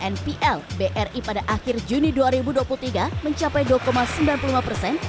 npl bri pada akhir juni dua ribu dua puluh tiga mencapai dua sembilan puluh lima persen